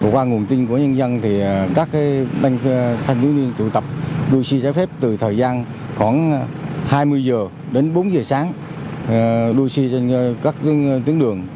qua nguồn tin của nhân dân các thanh niên tụ tập đua xe trái phép từ thời gian khoảng hai mươi h đến bốn h sáng đua xe trên các tuyến đường